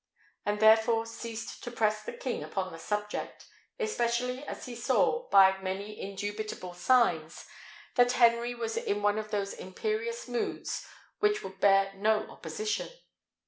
He therefore ceased to press the king upon the subject, especially as he saw, by many indubitable signs, that Henry was in one of those imperious moods which would bear no opposition.